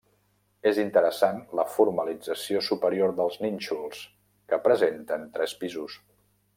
És interessant la formalització superior dels nínxols, que presenten tres pisos.